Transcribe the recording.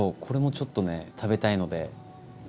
これもちょっとね食べたいので。